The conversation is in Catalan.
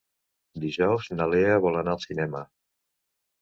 Dijous na Lea vol anar al cinema.